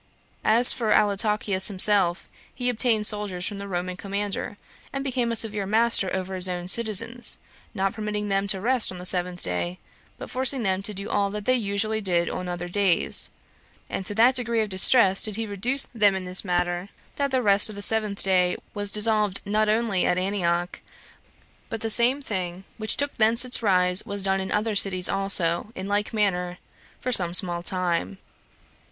As for Antiochus himself, he obtained soldiers from the Roman commander, and became a severe master over his own citizens, not permitting them to rest on the seventh day, but forcing them to do all that they usually did on other days; and to that degree of distress did he reduce them in this matter, that the rest of the seventh day was dissolved not only at Antioch, but the same thing which took thence its rise was done in other cities also, in like manner, for some small time.